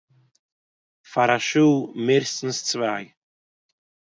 פאר א שעה מערסטנס צוויי